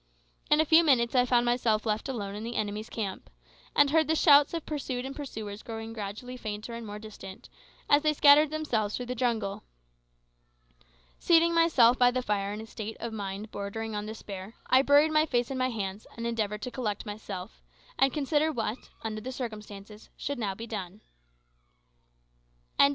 In a few minutes I found myself left alone in the enemy's camp, and heard the shouts of pursued and pursuers growing gradually fainter and more distant, as they scattered themselves through the jungle. Seating myself by the fire in a state of mind bordering on despair, I buried my face in my hands, and endeavoured to collect myself, and consider what, under the circumstances, should be now done.